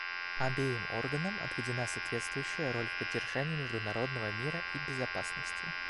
Обеим органам отведена соответствующая роль в поддержании международного мира и безопасности.